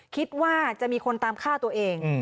คิดว่าจะมีคนตามฆ่าตัวเอง